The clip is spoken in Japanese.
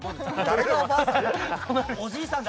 誰がおばあさんだ